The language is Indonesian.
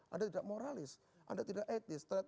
anda tidak moralis anda tidak etis